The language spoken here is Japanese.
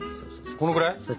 このぐらいか。